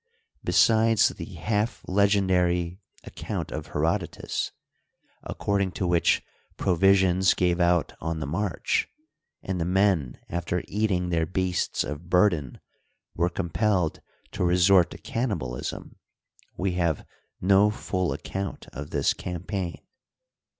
Besides the half legendary account of Herodotus, accprding to which pro visions gave out on the march, and the men after eating their beasts of burden were compelled to resort to canni balism, we have no full account of this campaign.